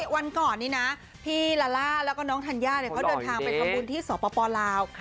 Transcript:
วันก่อนนี้นะพี่ลาล่าแล้วก็น้องธัญญาเขาเดินทางไปทำบุญที่สปลาว